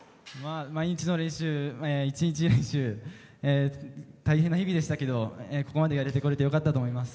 毎日の練習、１日練習大変な日々でしたけどここまでやれてこれてよかったと思います。